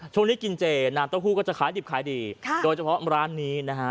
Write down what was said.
ช่วงนี้กินเจน้ำเต้าหู้ก็จะขายดิบขายดีค่ะโดยเฉพาะร้านนี้นะฮะ